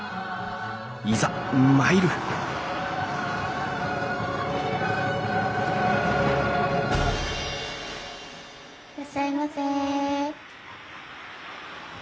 いざ参るいらっしゃいませ。